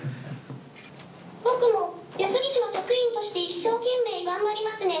僕も安来市の職員として一生懸命、頑張りますね。